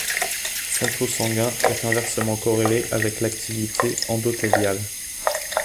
Son taux sanguin est inversement corrélé avec l'activité endothéliale.